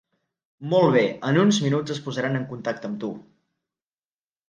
Molt bé, en uns minuts es posaran en contacte amb tu.